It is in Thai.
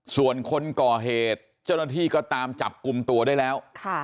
ส่วนคนก่อเหตุเจ้าหน้าที่ก็ตามจับกลุ่มตัวได้แล้ว